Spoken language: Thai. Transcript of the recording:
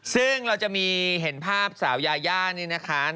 ซึ่งเราจะมีเห็นภาพสาวยาย่านี่นะคะ